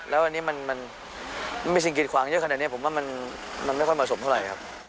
แล้วอันนี้มันมีสิ่งกิดขวางเยอะขนาดนี้ผมว่ามันไม่ค่อยเหมาะสมเท่าไหร่ครับ